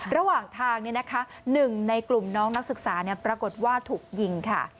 ระหว่างทางหนึ่งในกลุ่มน้องนักศึกษาปรากฏว่าถูกยิงค่ะ